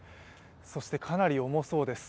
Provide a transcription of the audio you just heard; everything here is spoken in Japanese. そしてかなり重そうです。